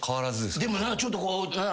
でもちょっとこう何やろ。